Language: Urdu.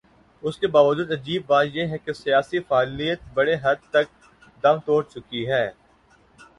اس کے باوجود عجیب بات یہ ہے کہ سیاسی فعالیت بڑی حد تک دم توڑ چکی ہے۔